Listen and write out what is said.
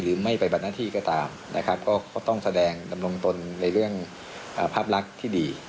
หรือไม่ปฏิบัติหน้าที่ก็ตามก็ต้องแสดงดำรงตนในเรื่องภาพลักษณ์ที่ดี